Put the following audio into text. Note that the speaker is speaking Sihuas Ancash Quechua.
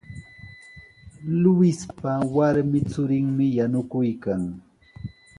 Luispa warmi churinmi yanukuykan.